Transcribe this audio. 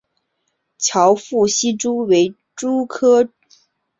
翘腹希蛛为球蛛科希蛛属的动物。